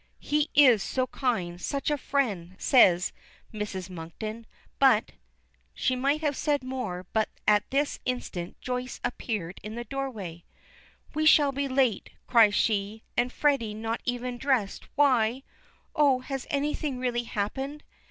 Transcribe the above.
"He is so kind, such a friend," says Mrs. Monkton. "But " She might have said more, but at this instant Joyce appears in the doorway. "We shall be late," cries she, "and Freddy not even dressed, why Oh, has anything really happened?"